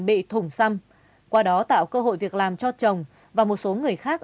bị thủng xăm qua đó tạo cơ hội việc làm cho chồng và một số người khác